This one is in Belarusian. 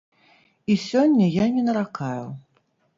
І сёння я не наракаю.